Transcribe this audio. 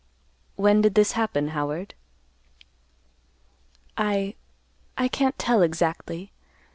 "When did this happen, Howard?" "I—I can't tell exactly.